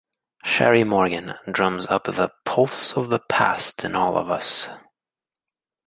Cherrie Morgan drums up the pulse of the past in all of us.